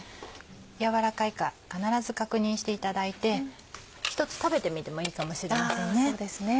軟らかいか必ず確認していただいて１つ食べてみてもいいかもしれませんね。